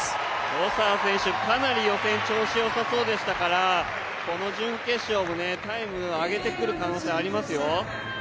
ロサー選手、かなり予選調子よさそうでしたからこの準決勝もタイム上げてくる可能性、ありますよ。